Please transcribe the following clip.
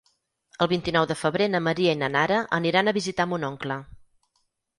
El vint-i-nou de febrer na Maria i na Nara aniran a visitar mon oncle.